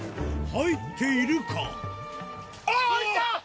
入っているか？